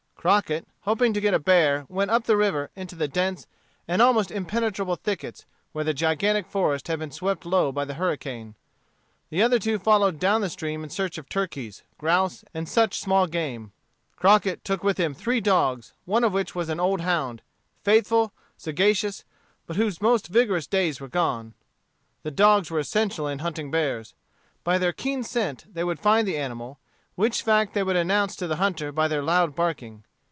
Crockett, hoping to get a bear, went up the river into the dense and almost impenetrable thickets, where the gigantic forest had been swept low by the hurricane. The other two followed down the stream in search of turkeys, grouse, and such small game. Crockett took with him three dogs, one of which was an old hound, faithful, sagacious, but whose most vigorous days were gone. The dogs were essential in hunting bears. By their keen scent they would find the animal, which fact they would announce to the hunter by their loud barking.